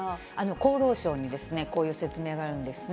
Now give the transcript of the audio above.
厚労省にですね、こういう説明があるんですね。